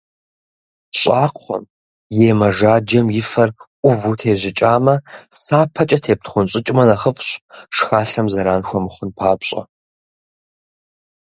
Щӏакхъуэм е мэжаджэм и фэр ӏуву тежьыкӏамэ, сапэкӏэ тептхъунщӏыкӏмэ нэхъыфӏщ, шхалъэм зэран хуэмыхъун папщӏэ.